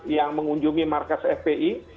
yang mengunjungi markas fpi